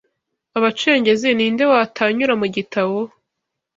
Abacengezi-ninde watanyura mu gitabo